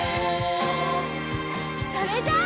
それじゃあ。